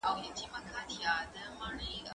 درسونه لوستل کړه!؟